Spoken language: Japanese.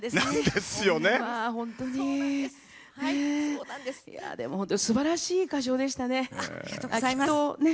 でも、本当にすばらしい歌唱でしたね。